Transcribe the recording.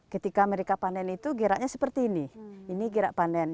ketika mereka panen itu geraknya seperti ini ini gerak panen